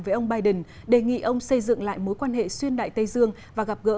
với ông biden đề nghị ông xây dựng lại mối quan hệ xuyên đại tây dương và gặp gỡ